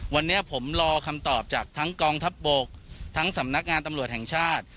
วันนี้ผมรอคำตอบจากทั้งกองทัพบกทั้งสำนักงานตำรวจแห่งชาติ